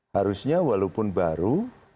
harusnya walaupun baru